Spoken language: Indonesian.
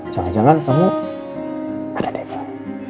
jangan jangan kamu ada debat